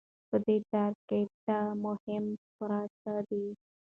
په دې دره کې دا مهم پراته دي